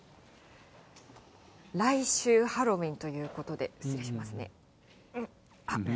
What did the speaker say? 来週ハロウィーンということで、失礼しますね。